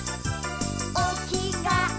「おきがえ